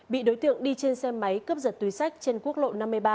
bị đối tượng đi trên xe máy cướp giật túi sách trên quốc lộ năm mươi ba